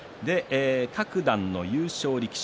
各段の優勝力士